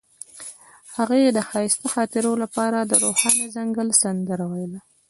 هغې د ښایسته خاطرو لپاره د روښانه ځنګل سندره ویله.